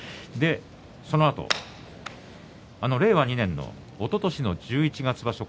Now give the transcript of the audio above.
そのあと令和２年とおととしの十一月場所